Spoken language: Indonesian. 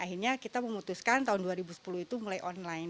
akhirnya kita memutuskan tahun dua ribu sepuluh itu mulai online